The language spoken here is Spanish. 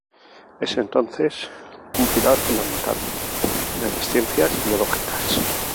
Es entonces, un pilar fundamental de las ciencias biológicas.